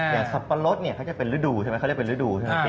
อย่างสัปปะรดเขาจะเป็นฤดูใช่ไหมเขาเรียกเป็นฤดูใช่ไหม